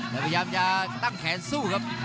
แล้วพยายามจะตั้งแขนสู้ครับ